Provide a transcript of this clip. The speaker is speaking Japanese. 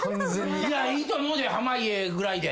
いいと思うで濱家ぐらいで。